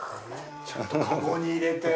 ちゃんと籠に入れて。